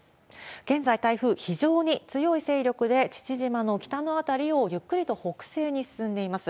現在、台風、非常に強い勢力で、父島の北の辺りをゆっくりと北西に進んでいます。